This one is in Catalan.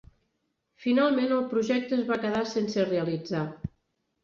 Finalment el projecte es va quedar sense realitzar.